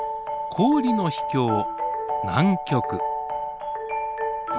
氷の秘境南極。